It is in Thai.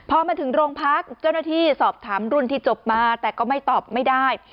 พอมาถึงโรงพักเจ้าหน้าที่สอบถามรุ่นที่จบมาแต่ก็ไม่ตอบไม่ได้